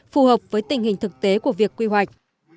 phù hợp với tình hình thực tế của việc quy hoạch